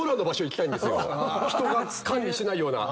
人が管理してないような。